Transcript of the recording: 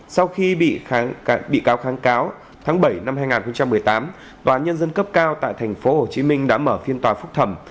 sau khi bị cáo kháng cáo tháng bảy năm hai nghìn một mươi tám tòa án nhân dân cấp cao tại thành phố hồ chí minh đã mở phiên tòa phúc thẩm